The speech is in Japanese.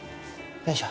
よいしょ。